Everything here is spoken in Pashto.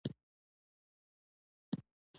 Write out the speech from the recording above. د لویو او کوچنیو پانګوالو ترمنځ سخته سیالي وه